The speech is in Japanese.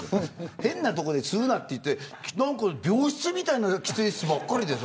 変な所で吸うなっていって病室みたいな喫煙室ばっかりでさ。